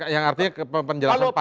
yang artinya penjelasan pakai tadi